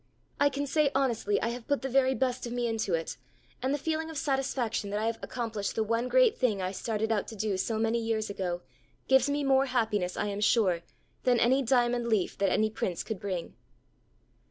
I can say honestly I have put the very best of me into it, and the feeling of satisfaction that I have accomplished the one great thing I started out to do so many years ago, gives me more happiness I am sure, than any 'diamond leaf' that any prince could bring."